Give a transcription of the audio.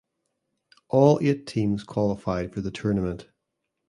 All eight teams qualified for the tournament.